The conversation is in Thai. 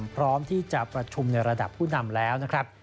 พร้อมที่จะประชุมในระดับผู้นำแล้วนะครับ